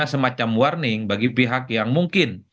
semacam warning bagi pihak yang mungkin